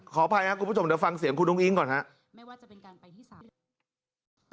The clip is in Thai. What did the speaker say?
ขอภัยครับคุณผู้ชมเดี๋ยวฟังเสียงคุณนุ้งอิ๊งก่อนครับ